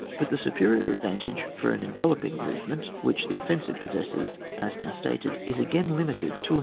But the supe rior advantage for an enveloping move ment, which the offensive possesses, as now stated, is again limited to a move CHAP, n.